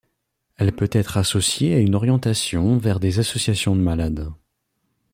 Elle peut être associée à une orientation vers des associations de malades.